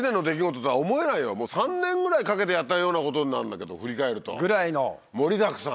もう３年ぐらいかけてやったようなことになんだけど振り返ると盛りだくさん。